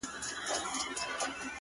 جالبه دا ده یار چي مخامخ جنجال ته ګورم؛